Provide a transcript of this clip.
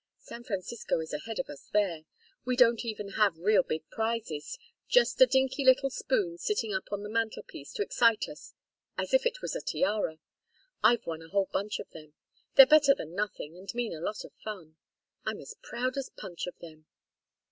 San Francisco is ahead of us there. We don't even have real big prizes just a dinky little spoon sitting up on the mantel piece to excite us as if it was a tiara. I've won a whole bunch of them. They're better than nothing and mean a lot of fun. I'm as proud as punch of them."